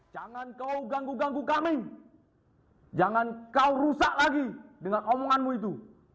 jangan kau ganggu ganggu kami jangan kau rusak lagi dengan omonganmu itu